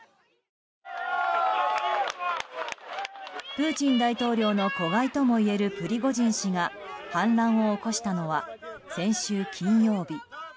プーチン大統領の子飼いともいえるプリゴジン氏が反乱を起こしたのは先週金曜日。